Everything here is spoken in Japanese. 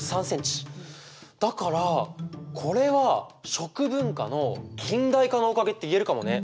だからこれは食文化の近代化のおかげって言えるかもね！